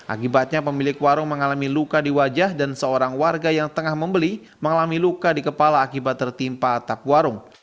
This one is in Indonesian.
akibatnya pemilik warung mengalami luka di wajah dan seorang warga yang tengah membeli mengalami luka di kepala akibat tertimpa atap warung